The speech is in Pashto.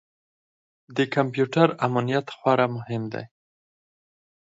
د کمپیوټر امنیت خورا مهم دی.